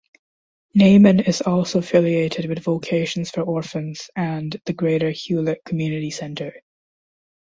Neiman is also affiliated with Vocations for Orphans and the Greater Hulett Community Center.